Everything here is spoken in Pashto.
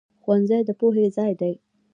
ښوونځی د پوهې ځای دی